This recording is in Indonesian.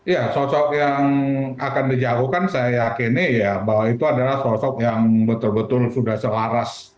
ya sosok yang akan dijauhkan saya yakini ya bahwa itu adalah sosok yang betul betul sudah selaras